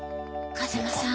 風間さん